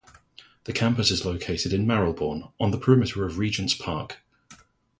The campus is located in Marylebone, on the perimeter of Regent's Park.